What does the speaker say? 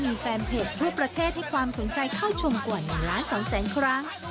มีแฟนเพจทั่วประเทศให้ความสนใจเข้าชมกว่า๑ล้าน๒แสนครั้ง